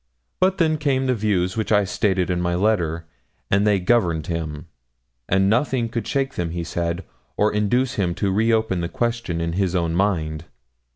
But then came the views which I stated in my letter, and they governed him; and nothing could shake them, he said, or induce him to re open the question in his own mind.'